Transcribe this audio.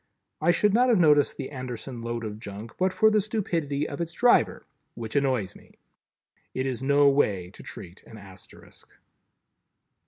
I should not have noticed the Anderson load of junk, but for the stupidity of its driver, which annoys me. It is no way to treat an Asterisk.